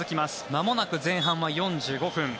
まもなく前半は４５分。